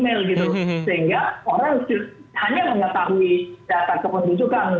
itu tidak cukup untuk mengakses layanan kependudukan